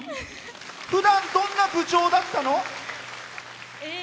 ふだんどんな部長だったの？